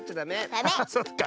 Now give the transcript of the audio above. ああそっか。